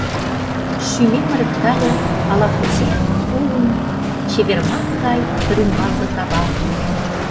Шӱмем ырыктале ала-кузе уын чевер маке гае рӱмбалге кава.